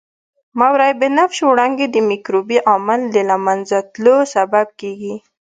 ماورای بنفش وړانګې د مکروبي عامل د له منځه تلو سبب کیږي.